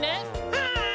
はい！